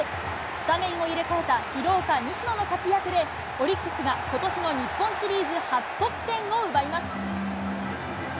スタメンを入れ替えた廣岡、西野の活躍で、オリックスがことしの日本シリーズ初得点を奪います。